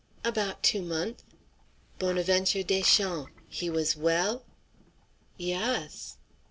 "About two month'." "Bonaventure Deschamps he was well?" "Yass."